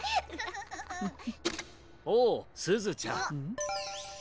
おおすずちゃん。